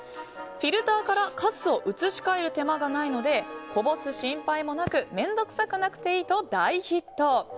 フィルターからかすを移し替える手間がないのでこぼす心配もなく面倒くさくなくていいと大ヒット。